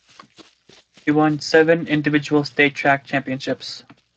He won seven individual state track championships.